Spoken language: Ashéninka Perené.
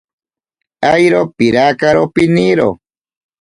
Airo pirakaro piniro.